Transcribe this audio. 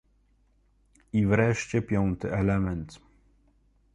I wreszcie piąty element